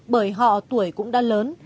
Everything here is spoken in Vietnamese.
bởi họ tuổi cũng đã lớn